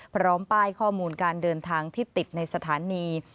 พร้อมป้ายข้อมูลการเดินทางที่ติดในสถานี